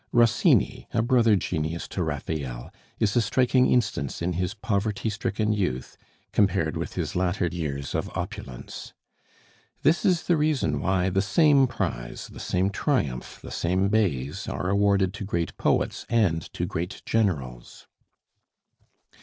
Rossini, a brother genius to Raphael, is a striking instance in his poverty stricken youth, compared with his latter years of opulence. This is the reason why the same prize, the same triumph, the same bays are awarded to great poets and to great generals.